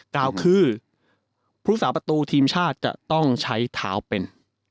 กล่าวคือผู้สาประตูทีมชาติจะต้องใช้เท้าเป็น